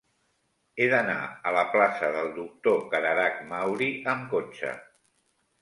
He d'anar a la plaça del Doctor Cararach Mauri amb cotxe.